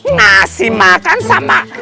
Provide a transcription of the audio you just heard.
ngasih makan sama